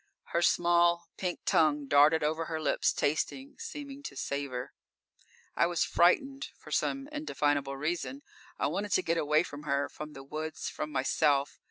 Her small, pink tongue darted over her lips, tasting, seeming to savor._ _I was frightened, for some indefinable reason. I wanted to get away from her, from the woods, from myself.